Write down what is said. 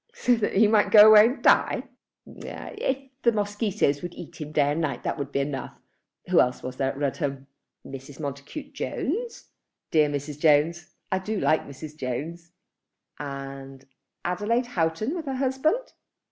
"So that he might go away and die?" "If the mosquitoes would eat him day and night, that would be enough. Who else was there at Rudham?" "Mrs. Montacute Jones." "Dear Mrs. Jones. I do like Mrs. Jones." "And Adelaide Houghton with her husband."